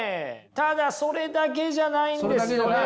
ただそれだけじゃないんですよね。